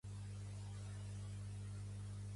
Vull canviar l'italià a occità.